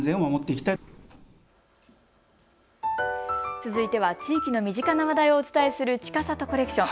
続いては地域の身近な話題をお伝えするちかさとコレクション。